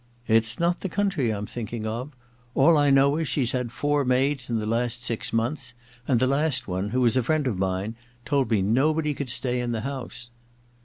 * It's not the country I'm thinking of. All I know is she's had four maids in the last six months, and the last one, who was a firiend of mine, told me nobody could stay in the house.'